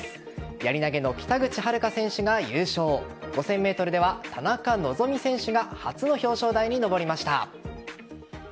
やり投げの北口榛花選手が優勝５０００ｍでは田中希実選手が初の表彰台に上りました。